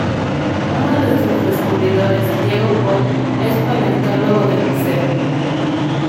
Uno de sus descubridores, Diego Pol, es paleontólogo del museo.